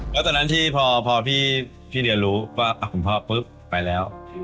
แล้วตอนนั้นที่พอพี่เรียนรู้ว่าคุณพ่อปุ๊บไปแล้ว